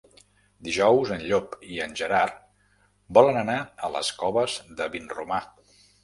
Dijous en Llop i en Gerard volen anar a les Coves de Vinromà.